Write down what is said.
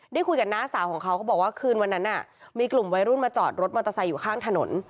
ได้คุยกับน้าสาวของเขาเขาบอกว่าคืนวันนั้นมีกลุ่มวัยรุ่นมาจอดรถมอเตอร์ไซค์อยู่ข้างถนน